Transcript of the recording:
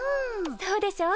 そうでしょう？